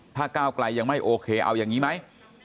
ถ้าก้าวไกลยังไม่โอเคเอาอย่างนี้ไหม